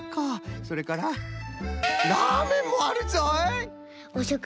それからラーメンもあるぞい！